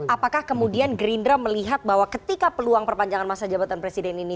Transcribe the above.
apakah kemudian gerindra melihat bahwa ketika peluang perpanjangan masa jabatan presiden ini